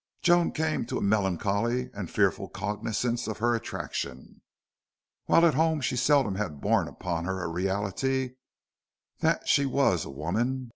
Joan came to a melancholy and fearful cognizance of her attraction. While at home she seldom had borne upon her a reality that she was a woman.